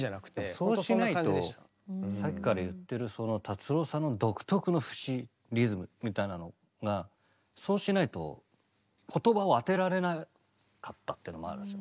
そうしないとさっきから言ってるその達郎さんの独特の節リズムみたいなのがそうしないと言葉を当てられなかったというのもあるんですよ。